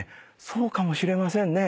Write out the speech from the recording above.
「そうかもしれませんね」